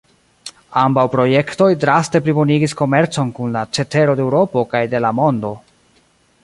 Ambaŭ projektoj draste plibonigis komercon kun la cetero de Eŭropo kaj de la mondo.